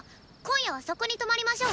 今夜はそこに泊まりましょう。